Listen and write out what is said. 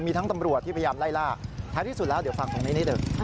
มีทั้งตำรวจที่พยายามไล่ล่าท้ายที่สุดแล้วเดี๋ยวฟังตรงนี้นิดหนึ่ง